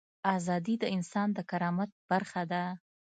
ازادي د انسان د کرامت برخه ده.